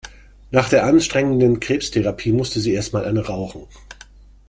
Nach der anstrengenden Krebstherapie musste sie erst mal eine rauchen.